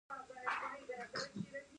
آیا حکومت کار پیدا کولی شي؟